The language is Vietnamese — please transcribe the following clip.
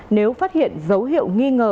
nếu phát hiện dấu hiệu nghi ngờ